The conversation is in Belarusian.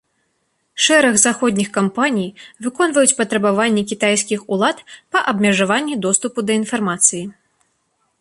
Шэраг заходніх кампаній выконваюць патрабаванні кітайскіх улад па абмежаванні доступу да інфармацыі.